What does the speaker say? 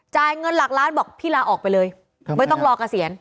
เงินหลักล้านบอกพี่ลาออกไปเลยไม่ต้องรอเกษียณ